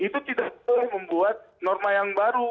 itu tidak boleh membuat norma yang baru